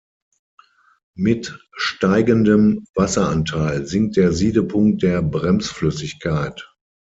Mit steigendem Wasseranteil sinkt der Siedepunkt der Bremsflüssigkeit.